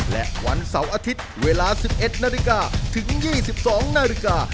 และวันเสาร์อาทิตย์เวลา๑๑นาฬิกาถึง๒๒นาฬิกา